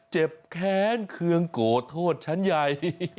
เจ็บแค้นเครื่องโกรธโทษชั้นใหญ่